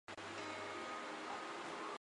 范氏姮是嘉定省新和县新年东村出生。